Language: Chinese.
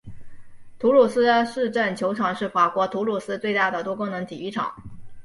土鲁斯市政球场是法国土鲁斯最大的多功能体育场。